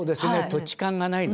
土地勘がないので。